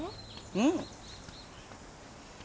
うん。